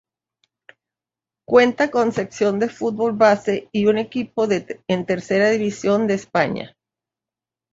Cuenta con sección de fútbol base y un equipo en Tercera División de España.